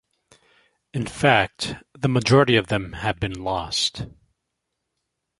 In fact, the majority of them have been lost.